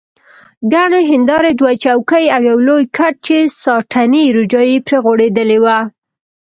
ګڼې هندارې، دوه چوکۍ او یو لوی کټ چې ساټني روجایې پرې غوړېدلې وه.